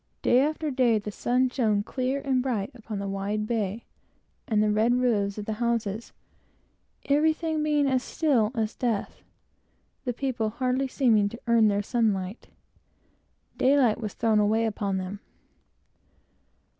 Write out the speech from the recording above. Day after day, the sun shone clear and bright upon the wide bay and the red roofs of the houses; everything being as still as death, the people really hardly seeming to earn their sun light. Daylight actually seemed thrown away upon them.